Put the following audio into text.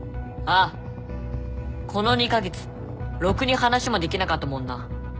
ああこの２カ月ろくに話もできなかったもんな。